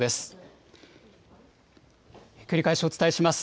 繰り返しお伝えします。